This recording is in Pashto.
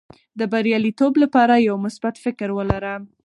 د بریالیتوب لپاره یو مثبت فکر ولره.